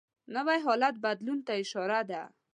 نوی حالت بدلون ته اشاره ده